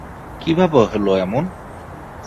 কীভাবে হলো এমন?